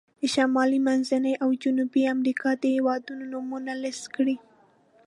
د شمالي، منځني او جنوبي امریکا د هېوادونو نومونه لیست کړئ.